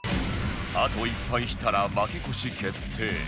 あと１敗したら負け越し決定